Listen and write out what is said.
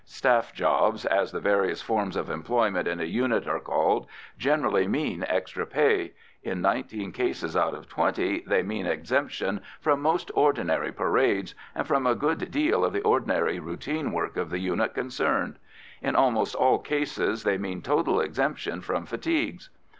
"Staff jobs," as the various forms of employment in a unit are called, generally mean extra pay; in nineteen cases out of twenty they mean exemption from most ordinary parades and from a good deal of the ordinary routine work of the unit concerned; in almost all cases they mean total exemption from fatigues.